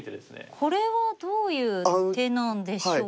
これはどういう手なんでしょうか？